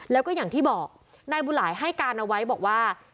แล้วก็อย่างที่บอกนายบุหลายให้การเอาไว้บอกว่า